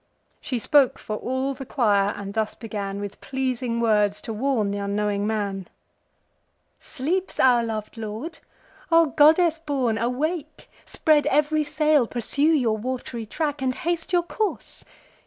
She spoke for all the choir, and thus began With pleasing words to warn th' unknowing man: "Sleeps our lov'd lord? O goddess born, awake! Spread ev'ry sail, pursue your wat'ry track, And haste your course.